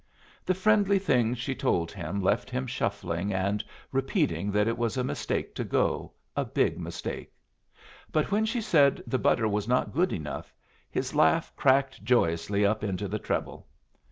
The friendly things she told him left him shuffling and repeating that it was a mistake to go, a big mistake; but when she said the butter was not good enough, his laugh cracked joyously up into the treble.